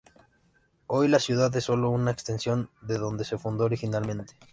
Hoy la ciudad es sólo una extensión de donde se fundó originalmente.